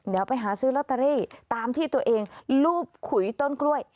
เดี๋ยวไปหาซื้อลอตเตอรี่ตามที่ตัวเองรูปขุยต้นกล้วย